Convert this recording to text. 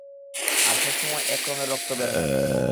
আর সবসময় এক রঙের রক্ত বের হয় না।